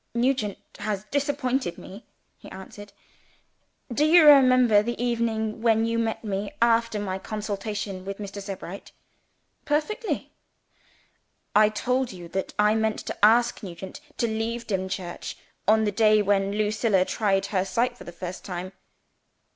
"Nugent has disappointed me," he answered. "Do you remember the evening when you met me after my consultation with Mr. Sebright?" "Perfectly." "I told you that I meant to ask Nugent to leave Dimchurch, on the day when Lucilla tried her sight for the first time."